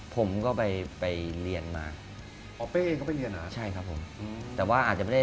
ผมก็ไปเรียนมา